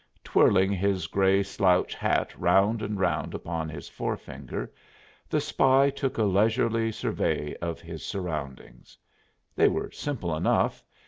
Twirling his gray slouch hat round and round upon his forefinger, the spy took a leisurely survey of his surroundings. They were simple enough.